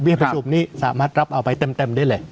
ประชุมนี้สามารถรับเอาไปเต็มได้เลย